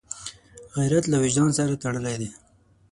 غیرت له وجدان سره تړلی دی